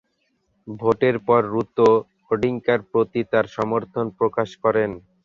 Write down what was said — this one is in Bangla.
ভোটের পর রুতো ওডিঙ্গার প্রতি তার সমর্থন প্রকাশ করেন।